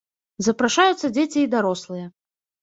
Запрашаюцца дзеці і дарослыя.